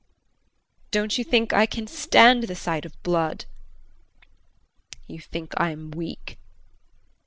Don't you think I can stand the sight of blood? You think I am weak.